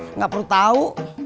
enggak perlu tau